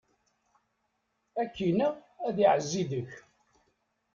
Ad k-ineɣ, ad iɛezzi deg-k!